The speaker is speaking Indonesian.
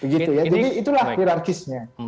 jadi itulah hirarkisnya